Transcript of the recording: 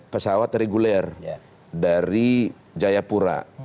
pesawat reguler dari jayapura